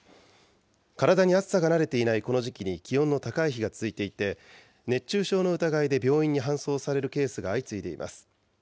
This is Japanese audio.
体に暑さが慣れていないこの時期に気温の高い日が続いていて、熱中症の疑いで病院に搬送されるケースが相次いでいます。